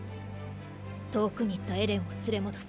遠くに行ったエレンを連れ戻す。